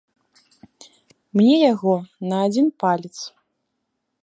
Мне яго на адзін палец!